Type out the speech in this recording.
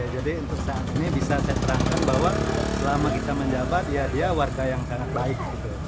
jadi untuk saat ini bisa saya terangkan bahwa selama kita menjabat ya dia warga yang sangat baik